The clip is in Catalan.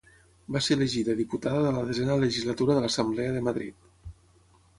Va ser elegida diputada de la desena legislatura de l'Assemblea de Madrid.